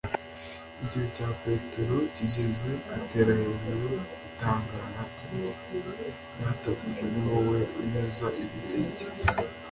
Igihe cya Petero kigeze, atera hejuru atangara ati: "Databuja ni wowe unyoza ibirenge!"